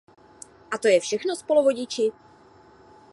A to je všechno s polovodiči?